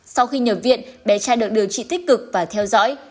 sau khi nhập viện bé trai được điều trị tích cực và theo dõi